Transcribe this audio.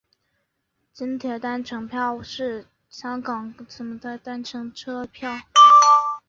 轻铁单程票是香港港铁之轻铁系统的单程车票。